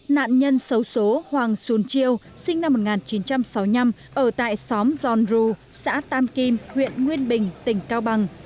nạn nhân xấu xố hoàng sùn chiêu sinh năm một nghìn chín trăm sáu mươi năm ở tại xóm giòn ru xã tam kim huyện nguyên bình tỉnh cao bằng